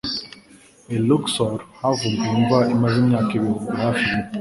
i Luxor havumbuwe imva imaze imyaka ibihumbi hafi bine